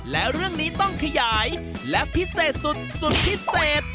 และเรื่องนี้ต้องขยายและพิเศษสุดสุดพิเศษ